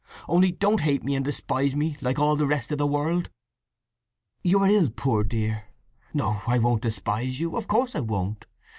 Only don't hate me and despise me like all the rest of the world!" "You are ill, poor dear! No, I won't despise you; of course I won't!